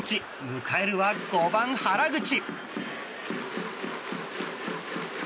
迎えるは５番、原口。